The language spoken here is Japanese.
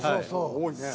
多いね。